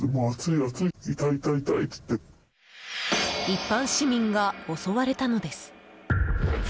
一般市民が襲われたのです。